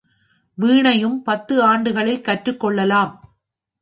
வீணையும் பத்து ஆண்டுகளில் கற்றுக் கொள்ளலாம்.